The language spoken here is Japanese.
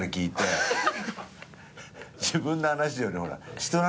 自分の話よりほらひとの